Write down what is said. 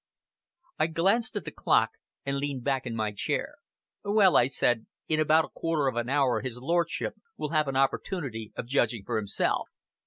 I glanced at the clock and leaned back in my chair. "Well," I said, "in about a quarter of an hour his Lordship will have an opportunity of judging for himself.